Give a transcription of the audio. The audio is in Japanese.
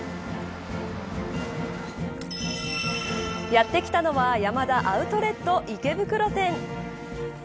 やってきたのはヤマダアウトレット池袋店。